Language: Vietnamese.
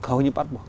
hầu như bắt buộc